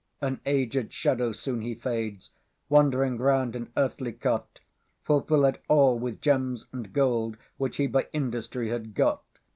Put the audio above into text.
And agèd Shadow, soon he fades, Wandering round an earthly cot, Full fillèd all with gems and goldWhich he by industry had got.